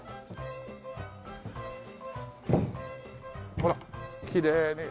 ほらきれいに。